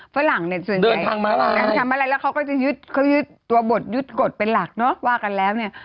ฝรั่งเนี่ยส่วนใหญ่ทำอะไรแล้วเขาก็จะยึดเขายึดตัวบทยึดกฎเป็นหลักเนอะว่ากันแล้วเนี่ย